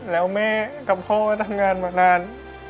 แล้วแม่กับพ่อก็ทำงานมานาน